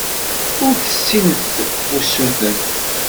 Ur d-tessimt usuten.